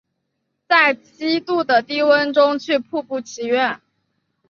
在七度的低温中去瀑布祈愿